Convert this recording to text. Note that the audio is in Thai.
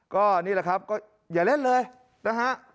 ก็นี่แหละครับก็อย่าเล่นเลยนะฮะ